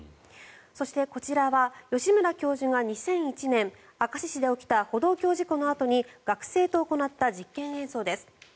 そしてこちらは吉村教授が２００１年明石市で起きた歩道橋事故のあとに起きた学生と行った実験映像です。